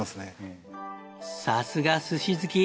さすが寿司好き！